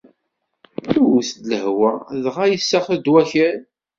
Tewwet-d lehwa dɣa isax-d wakal.